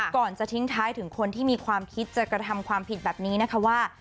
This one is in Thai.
ก่อนจะทิ้งท้ายถึงคนที่มีความคิดจะกระทำความผิดแบบนี้นะคะว่า